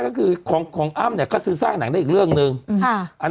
ก็คือของของอ้ำเนี่ยก็ซื้อสร้างหนังได้อีกเรื่องหนึ่งค่ะอัน